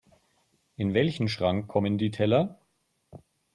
In welchen Schrank kommen die Teller?